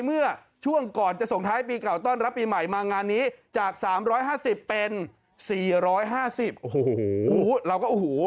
เมื่อช่วงก่อนจะส่งท้ายปีเก่าต้อนรับปีใหม่มางานนี้จาก๓๕๐เป็น๔๕๐โอ้โหเราก็โอ้โห